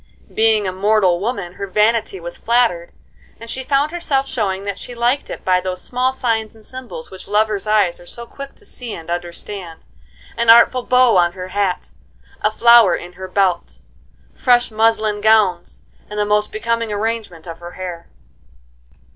Being a mortal woman, her vanity was flattered, and she found herself showing that she liked it by those small signs and symbols which lovers' eyes are so quick to see and understand,—an artful bow on her hat, a flower in her belt, fresh muslin gowns, and the most becoming arrangement of her hair.